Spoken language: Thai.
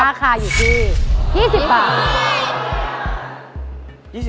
ราคาอยู่ที่๒๐บาท